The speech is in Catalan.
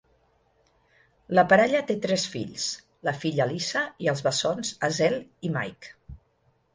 La parella té tres fills: la filla Lisa i els bassons Azelle i Mike.